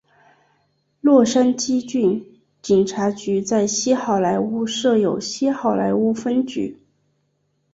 洛杉矶郡警察局在西好莱坞设有西好莱坞分局。